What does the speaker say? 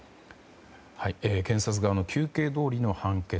検察側の求刑どおりの判決。